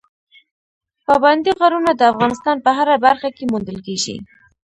پابندي غرونه د افغانستان په هره برخه کې موندل کېږي.